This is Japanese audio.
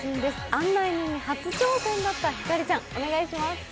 案内人初挑戦だったひかりちゃん、お願いします。